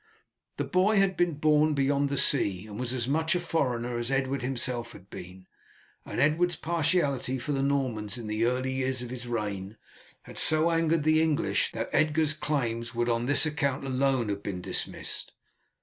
The boy had been born beyond the sea, and was as much a foreigner as Edward himself had been, and Edward's partiality for the Normans in the early years of his reign had so angered the English that Edgar's claims would on this account alone have been dismissed.